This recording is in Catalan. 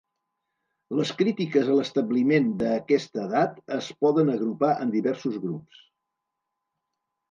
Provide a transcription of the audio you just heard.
Les crítiques a l'establiment d'aquesta edat es poden agrupar en diversos grups.